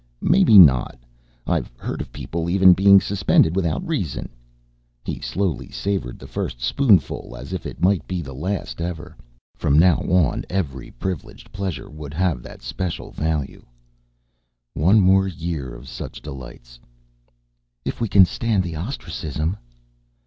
"Maybe not. I've heard of people even being Suspended without a reason." He slowly savored the first spoonful as if it might be the last ever. From now on every privileged pleasure would have that special value. "One more year of such delights." "If we can stand the ostracism."